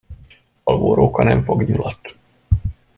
Alvó róka nem fog nyulat.